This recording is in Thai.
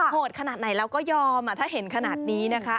โหดขนาดไหนแล้วก็ยอมถ้าเห็นขนาดนี้นะคะ